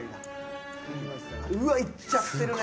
うわっいっちゃってるね。